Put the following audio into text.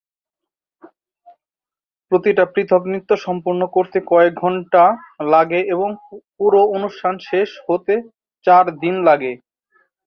প্রতিটি পৃথক নৃত্য সম্পূর্ণ হতে কয়েক ঘণ্টা লাগে এবং পুরো অনুষ্ঠান শেষ হতে চার দিন লাগে।